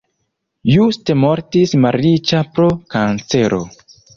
Just mortis malriĉa pro kancero.